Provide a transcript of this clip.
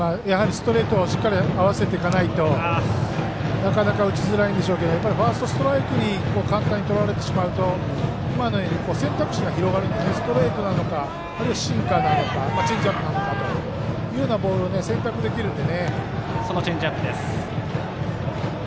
ストレートをしっかり合わせていかないとなかなか打ちづらいでしょうけどファーストストライクに簡単にとられてしまうと今のように選択肢が広がってストレートなのかあるいはシンカーなのかチェンジアップなのかというボールを選択できるので。